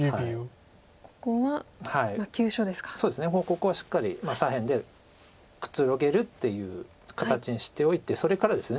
ここはしっかり左辺でくつろげるっていう形にしておいてそれからです